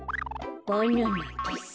バナナです。